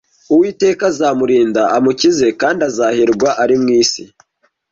Uwiteka azamurinda amukize, kandi azahirwa ari mu isi